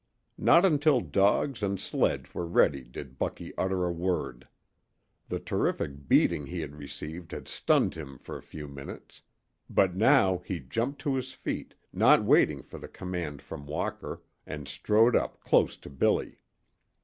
Not until dogs and sledge were ready did Bucky utter a word. The terrific beating he had received had stunned him for a few minutes; but now he jumped to his feet, not waiting for the command from Walker, and strode up close to Billy.